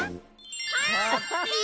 ハッピー！